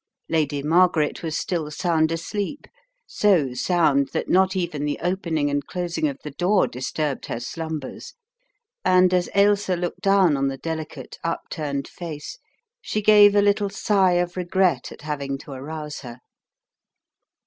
Lady Margaret was still sound asleep, so sound that not even the opening and closing of the door disturbed her slumbers, and as Ailsa looked down on the delicate, upturned face, she gave a little sigh of regret at having to arouse her.